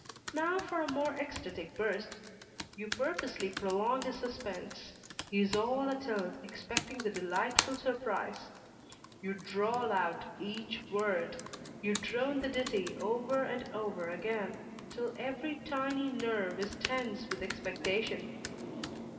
Now for a more ecstatic burst. You purposely prolong his suspense; he is all atilt, expecting the delightful surprise. You drawl out each word; you drone the ditty over and over again, till every tiny nerve is tense with expectation.